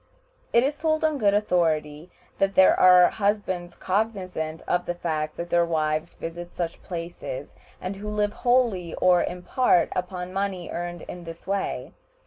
It is told on good authority that there are husbands cognizant of the fact that their wives visit such places, and who live wholly or in part upon money earned in this way.